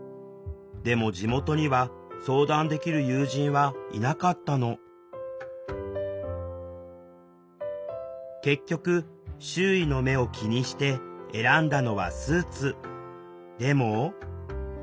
でも地元には相談できる友人はいなかったの結局周囲の目を気にして選んだのはスーツ。